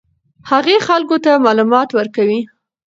هغې خلکو ته معلومات ورکوي.